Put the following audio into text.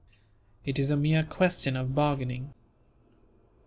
It is a mere question of bargaining."